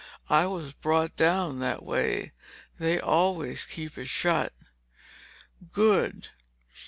I was brought down that way. They always keep it shut." "Good!"